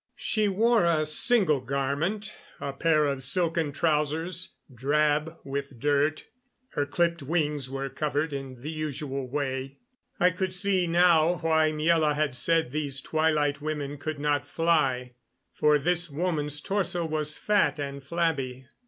She wore a single garment, a pair of silken trousers, drab with dirt. Her clipped wings were covered in the usual way. I could see now why Miela had said these Twilight women could not fly, for this woman's torso was fat and flabby.